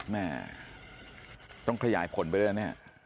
แม่ต้องขยายผลไปเรื่อยเนี่ย